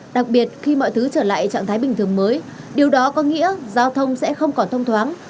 đặc biệt khi mọi thứ trở lại trạng thái bình thường mới điều đó có nghĩa giao thông sẽ không còn thông thoáng